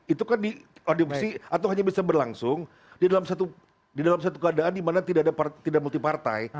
itu kan diadopsi atau hanya bisa berlangsung di dalam satu keadaan di mana tidak multi partai